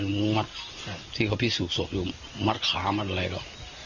มูมัดที่เขาพี่สูบสกอยู่มัดขามัดอะไรก็